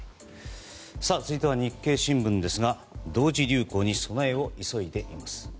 続いては日経新聞ですが同時流行に備えを急いでいます。